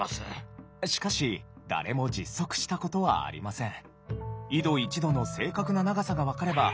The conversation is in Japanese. しかし誰も実測したことはありません。